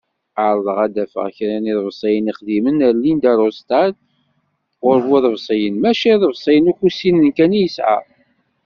Ɛerḍeɣ ad d-afeɣ kra iḍebsiyen iqdimen n Linda Ronstadt ɣur bu-iḍebsiyen, maca d iḍebsiyen ikussimen kan i yesεa.